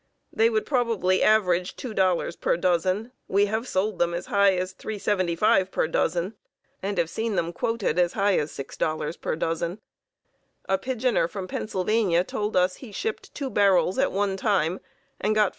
They would probably average $2 per dozen. We have sold them as high as $3.75 per dozen and have seen them quoted as high as $6 per dozen. A pigeoner from Pennsylvania told us he shipped two barrels at one time and got $5.